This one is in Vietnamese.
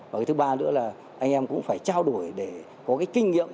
và cái thứ ba nữa là anh em cũng phải trao đổi để có cái kinh nghiệm